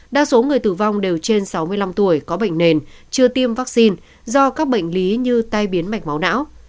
đa số người tử vong đều trên sáu mươi năm tuổi có bệnh nền chưa tiêm vaccine do các bệnh lý như tai biến mạch máu não